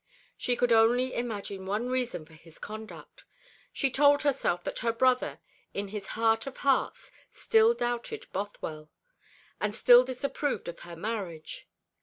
She could only imagine one reason for his conduct. She told herself that her brother, in his heart of hearts, still doubted Bothwell, and still disapproved of her marriage.